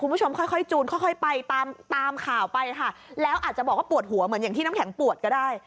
คุณผู้ชมค่อยค่อยจูนค่อยไปตามตามข่าวไปค่ะแล้วอาจจะบอกว่าปวดหัวเหมือนอย่างที่น้ำแข็งปวดก็ได้